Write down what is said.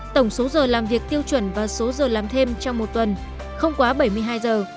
tổng số giờ làm việc tiêu chuẩn và số giờ làm thêm trong một tuần không quá bảy mươi hai giờ